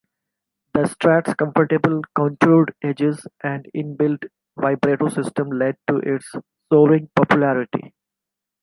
The Strat's comfortable contoured edges and in-built vibrato system led to its soaring popularity.